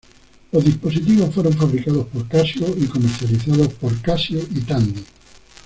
Los dispositivos fueron fabricados por Casio y comercializados por Casio y Tandy.